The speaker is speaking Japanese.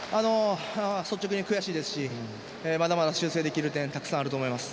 率直に悔しいですしまだまだ修正できる点がたくさんあると思います。